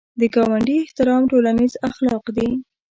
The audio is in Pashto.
د ګاونډي احترام ټولنیز اخلاق دي